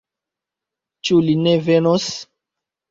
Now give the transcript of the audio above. Ĉu li ne venos?